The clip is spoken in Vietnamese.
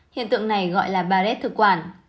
hiện tượng này gọi là ba rết thực quản